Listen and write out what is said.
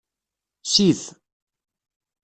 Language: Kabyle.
Sif.